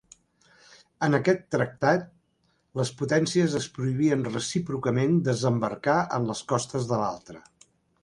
En aquest tractat, les potències es prohibien recíprocament desembarcar en les costes de l'altra.